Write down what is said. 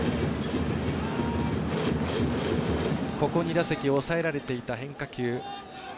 ここ２打席抑えられていた変化球。